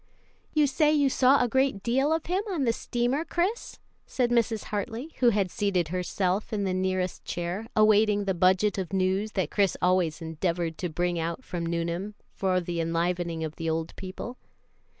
"You say you saw a great deal of him on the steamer, Chris?" said Mrs. Hartley, who had seated herself in the nearest chair, awaiting the budget of news that Chris always endeavored to bring out from Nuneham, for the enlivening of the old people.